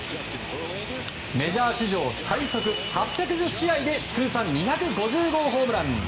メジャー史上最速８１０試合で通算２５０号ホームラン。